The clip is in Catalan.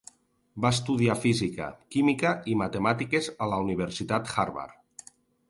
Va estudiar física, química i matemàtiques a la Universitat Harvard.